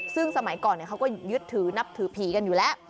ซึ่งสมัยก่อนเขาก็ยึดถือนับถือผีกันอยู่แล้ว